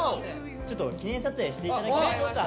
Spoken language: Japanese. ちょっと記念撮影して頂きましょうか。